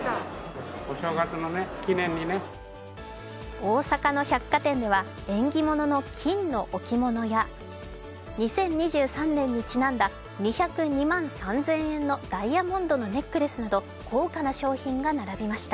大阪の百貨店では縁起物の金の置物や２０２３年にちなんだ２０２万３０００円のダイヤモンドのネックレスなど高価な商品が並びました。